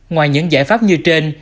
ngoài những giải pháp như trên